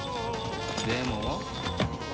でも。